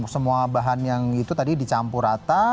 semua bahan yang itu tadi dicampur rata